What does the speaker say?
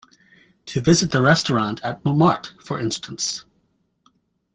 The visit to the restaurant at Montmartre, for instance.